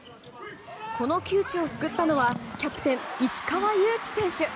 この窮地を救ったのはキャプテン、石川祐希選手。